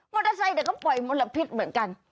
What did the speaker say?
เตอร์ไซค์ก็ปล่อยมลพิษเหมือนกัน